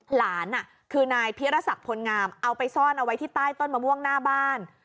หลานคือนายพิรษักพลงามเอาไปซ่อนเอาไว้ที่ใต้ต้นมะม่วงหน้าบ้าน